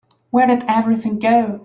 Where did everything go?